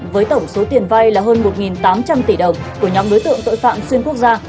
với tổng số tiền vai là hơn một tám trăm linh tỷ đồng của nhóm đối tượng tội phạm xuyên quốc gia